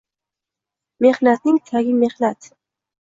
Mehnatning tagi mehnat